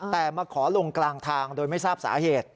แต่มาขอลงกลางทางโดยไม่ทราบสาเหตุ